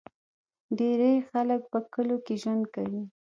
ډیری خلک په کلیو کې ژوند کوي.